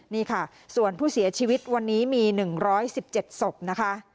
นี่ค่ะส่วนผู้เสียชีวิตวันนี้มีหนึ่งร้อยสิบเจ็ดศพนะคะ